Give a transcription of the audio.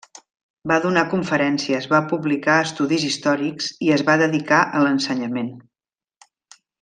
Va donar conferències, va publicar estudis històrics i es va dedicar a l'ensenyament.